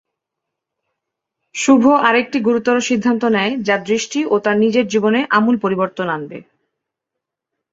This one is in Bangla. শুভ আরেকটি গুরুতর সিদ্ধান্ত নেয়, যা দৃষ্টি ও তার নিজের জীবনে আমূল পরিবর্তন আনবে।